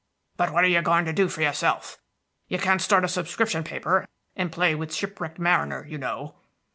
"But what are you going to do for yourself? You can't start a subscription paper, and play with shipwrecked mariner, you know."